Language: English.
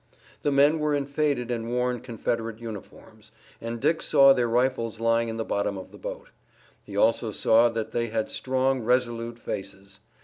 The men were in faded and worn Confederate uniforms, and Dick saw their rifles lying in the bottom of the boat. He also saw that they had strong, resolute faces.